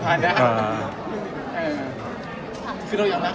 แปลว่าเขาก็ไม่เมื่อกลัดกันสินใจของเรา